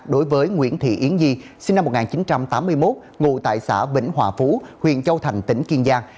đối với nguyễn thị yến nhi sinh năm một nghìn chín trăm tám mươi một ngụ tại xã vĩnh hòa phú huyện châu thành tỉnh kiên giang